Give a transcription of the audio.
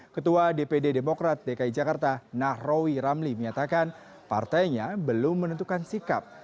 ketua dpd demokrat dki jakarta nahrawi ramli menyatakan partainya belum menentukan sikap